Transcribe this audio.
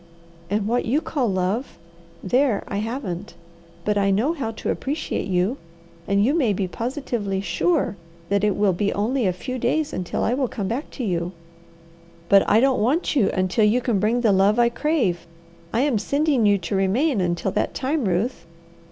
"And what you call love there I haven't. But I know how to appreciate you, and you may be positively sure that it will be only a few days until I will come back to you." "But I don't want you until you can bring the love I crave. I am sending you to remain until that time, Ruth."